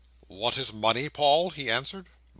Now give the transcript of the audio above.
"What is money, Paul?" he answered.